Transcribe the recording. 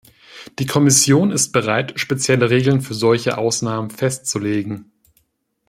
Die Kommission ist bereit, spezielle Regeln für solche Ausnahmen festzulegen.